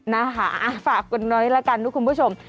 นะฮะฝากกันน้อยละกันด้วยคุณผู้ชม